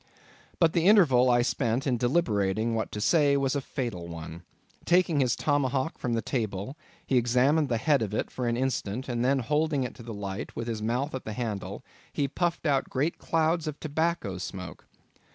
But the interval I spent in deliberating what to say, was a fatal one. Taking up his tomahawk from the table, he examined the head of it for an instant, and then holding it to the light, with his mouth at the handle, he puffed out great clouds of tobacco smoke.